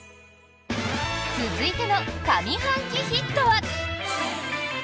続いての上半期ヒットは。